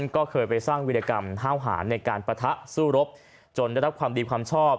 ก็เคยไปสร้างวิรกรรมห้าวหารในการปะทะสู้รบจนได้รับความดีความชอบ